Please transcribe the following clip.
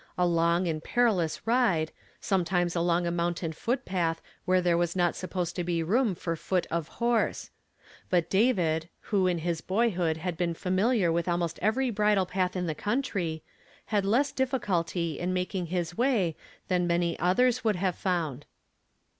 A long and perilous ride, sometimes along a moun tain footpath where there was not supposed to be room for foot of horse ; but David, who in his boyhood had been familiar with almost every bridle path in the country, luul less diiliculty in making his way than many others would have found.